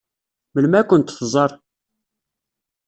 Melmi ad kent-tẓeṛ?